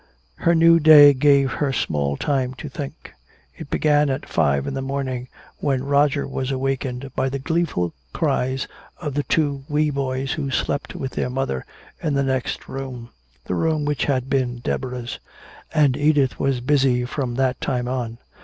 Her new day gave her small time to think. It began at five in the morning, when Roger was awakened by the gleeful cries of the two wee boys who slept with their mother in the next room, the room which had been Deborah's. And Edith was busy from that time on.